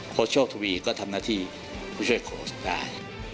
โชคทวีก็ทำหน้าที่ผู้ช่วยโค้ชได้